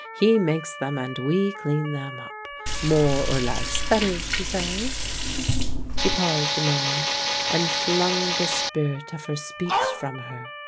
He makes them, and we clean them up. More or less, that is to say." She paused a moment, and flung the spirit of her speech from her.